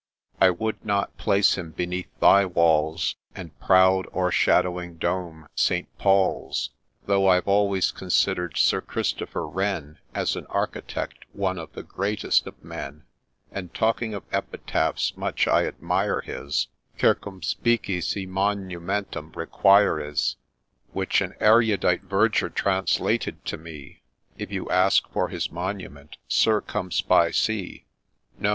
I would not place him beneath thy walls, And proud o'ershadowing dome, St. Paul's ! Though I've always consider'd Sir Christopher Wren, As an architect, one of the greatest of men ; And, talking of Epitaphs, — much I admire his, ' Circumspice, si Monumentum requiris ;' Which an erudite Verger translated to me, ' If you ask for his monument, Sir come spy see !'— No